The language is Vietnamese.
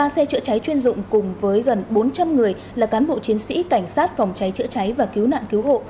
ba xe chữa cháy chuyên dụng cùng với gần bốn trăm linh người là cán bộ chiến sĩ cảnh sát phòng cháy chữa cháy và cứu nạn cứu hộ